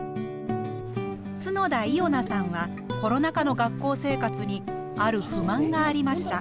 角田いおなさんはコロナ禍の学校生活にある不満がありました。